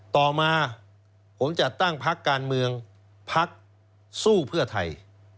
ต่อมาผมจะตั้งพักการเมืองพักสู้เพื่อไทย